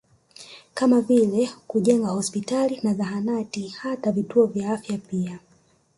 Kama vile kujenga hospitali na zahanati hata vituo vya afya pia